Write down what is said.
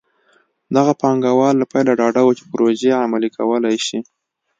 دغه پانګوال له پیله ډاډه وو چې پروژې عملي کولی شي.